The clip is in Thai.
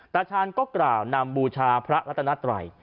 ตาชาญก็กล่าวนำบูชาพระรัตนัตรัย